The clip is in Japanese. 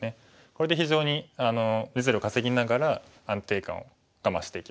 これで非常に実利を稼ぎながら安定感が増していきますね。